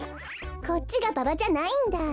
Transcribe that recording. こっちがババじゃないんだ。